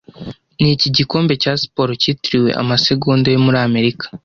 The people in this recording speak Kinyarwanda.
Niki gikombe cya siporo cyitiriwe amasegonda yo muri Amerika